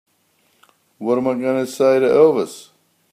What am I going to say to Elvis?